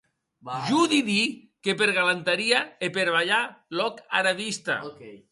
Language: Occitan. Jo didí que per galantaria, e per balhar lòc ara vista.